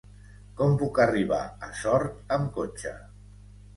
Com puc arribar a Sort amb cotxe?